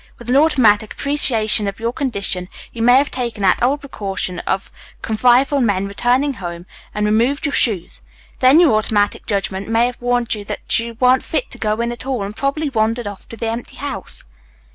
With an automatic appreciation of your condition you may have taken that old precaution of convivial men returning home, and removed your shoes. Then your automatic judgment may have warned you that you weren't fit to go in at all, and you probably wandered off to the empty house."